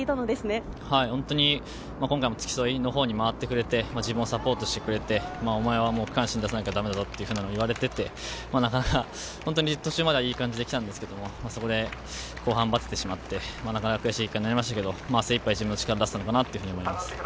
今回も付き添いのほうに回ってくれて、自分をサポートしてくれて、お前は区間新を出さなきゃだめだぞと言われていたのに、途中まではいい感じで来たんですけれど、後半バテてしまって、悔しい結果になりましたが、精いっぱい自分の力は出せたと思います。